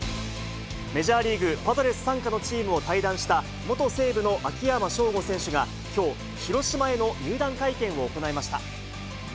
メジャーリーグ・パドレス傘下のチームを退団した、元西武の秋山翔吾選手がきょう、広島への入団会見を行いました。